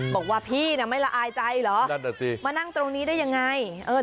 บอกว่าพี่นะไม่ละอายใจเหรอมานั่งตรงนี้ได้ยังไง